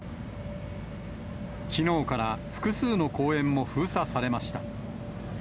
きのうから複数の公園も封鎖されました。